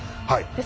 はい。